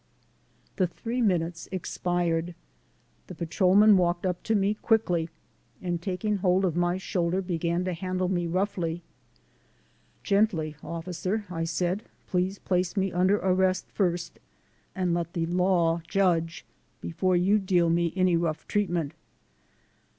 The three minutes expired ; the patrolman walked up to me quickly and taking hold of my shoulder began to handle me roughly. "Gently, Officer," I said, "please place me under arrest first and let the law judge, before you deal me any rough treat ment."